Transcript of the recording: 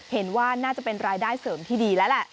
เห็นว่าน่าจะเป็นรายได้เสริมที่ดีแล้วแหละ